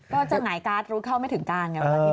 ก็จะหงายการรู้เท่าไม่ถึงการ